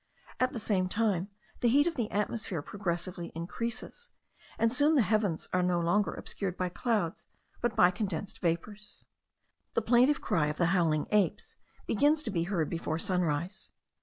At the same time the heat of the atmosphere progressively increases; and soon the heavens are no longer obscured by clouds, but by condensed vapours. The plaintive cry of the howling apes begins to be heard before sunrise.